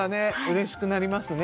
嬉しくなりますね